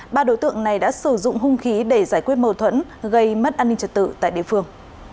ba đối tượng này đã sử dụng hung khí để giải quyết mâu thuẫn gây mất an ninh trật tự tại địa phương